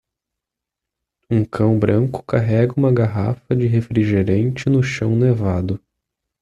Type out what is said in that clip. Um cão branco carrega uma garrafa de refrigerante no chão nevado.